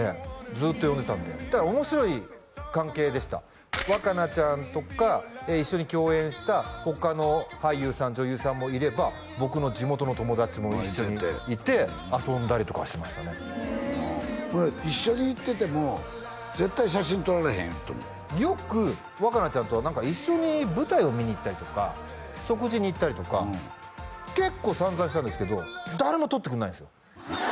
ずっと呼んでたんでだから面白い関係でした若菜ちゃんとか一緒に共演した他の俳優さん女優さんもいれば僕の地元の友達も一緒にいて遊んだりとかはしてましたねはあほんで一緒に行ってても絶対写真撮られへんとよく若菜ちゃんとは一緒に舞台を見に行ったりとか食事に行ったりとか結構さんざんしたんですけど誰も撮ってくれないんですよ